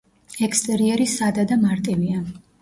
ექსტერიერი სადა და მარტივია.